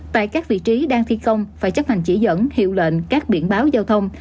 tại các vị trí đang thi công phải chấp hành chỉ dẫn hiệu lệnh các biển báo giao thông